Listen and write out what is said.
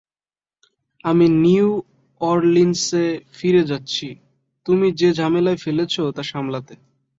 আমরা নিউ অরলিন্সে ফিরে যাচ্ছি, তুমি যে ঝামেলায় ফেলেছ, তা সামলাতে।